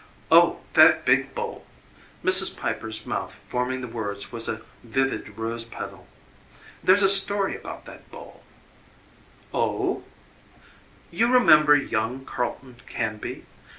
"Oh, that big bowl!" Mrs. Piper's mouth forming the words was a vivid rose petal. "There's a story about that bowl " "Oh " "You remember young Carleton Canby?